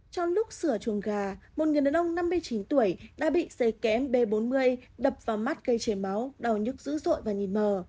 trong lúc sửa chuồng gà một người đàn ông năm mươi chín tuổi đã bị dày kém b bốn mươi đập vào mắt cây chế máu đau nhức dữ dội và nhìn mờ